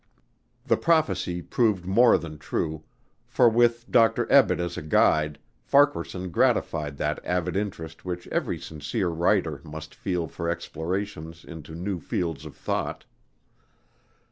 The prophecy proved more than true, for with Dr. Ebbett as a guide, Farquaharson gratified that avid interest which every sincere writer must feel for explorations into new fields of thought.